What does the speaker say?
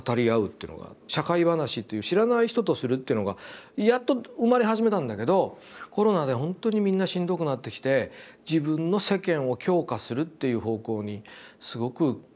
「社会話」っていう知らない人とするっていうのがやっと生まれ始めたんだけどコロナで本当にみんなしんどくなってきて自分の世間を強化するっていう方向にすごく行っているという気がしますね。